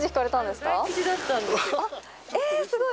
すごい。